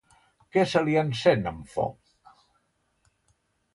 Què se li encén amb foc?